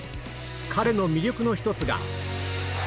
彼の魅力の一つが。